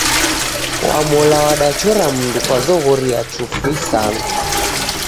Wamola wadachora mundu kwa zoghori ya chufu isanu.